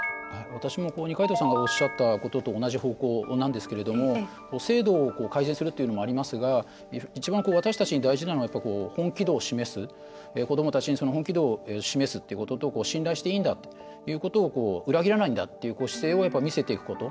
私も二階堂さんがおっしゃったことと同じ方向なんですけども、制度を改善するというのもありますが一番、私たちに大事なのが子どもたちに本気度を示すっていうことと信頼していいんだということを裏切らないんだという姿勢を見せていくこと。